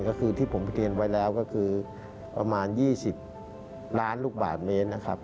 ก็คือที่ผมเตรียมไว้แล้วก็คือประมาณ๒๐ล้านลูกบาทเมตรนะครับ